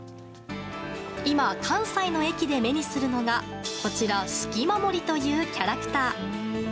今、関西の駅で目にするのがこちら、スキマモリというキャラクター。